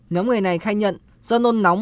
nhóm người này khai nhận do nôn nóng